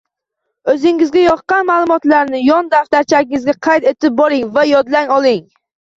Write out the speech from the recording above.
O‘zingizga yoqqan ma’lumotlarni yon daftarchangizga qayd etib boring va yodlab oling.